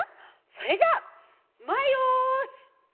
それじゃあまえよし！